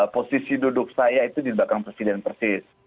posisi duduk saya itu dibakang presiden persis